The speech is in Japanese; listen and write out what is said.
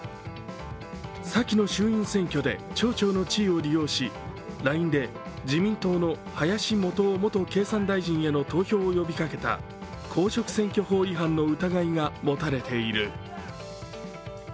先の衆院選挙で町長の地位を利用し、ＬＩＮＥで自民党の林幹雄元経産大臣へ投票を呼びかけた公職選挙法違反の疑いが持たれている。